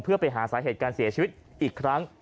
เพื่อไปหาสาเหตุการเสียชีวิตอีกครั้ง